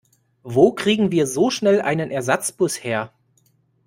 Wo kriegen wir so schnell einen Ersatzbus her?